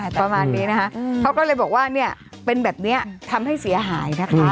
ประมาณนี้นะคะเขาก็เลยบอกว่าเนี่ยเป็นแบบนี้ทำให้เสียหายนะคะ